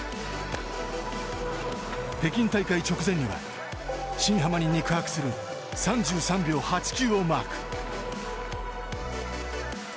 北京大会直前には新濱に肉薄する３３秒８９をマーク。